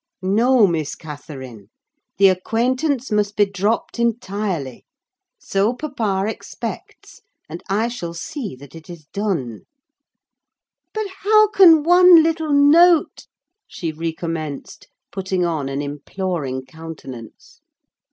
No, Miss Catherine, the acquaintance must be dropped entirely: so papa expects, and I shall see that it is done." "But how can one little note—?" she recommenced, putting on an imploring countenance.